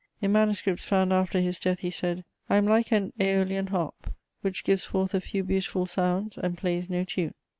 In manuscripts found after his death, he said: "I am like an Æolian harp, which gives forth a few beautiful sounds and plays no tune."